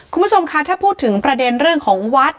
คุณผู้ชมคะถ้าพูดถึงประเด็นเรื่องของวัด